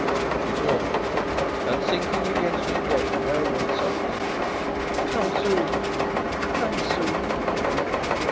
She paused, and sinking against me again, wailed softly. "Come soon! come soon!"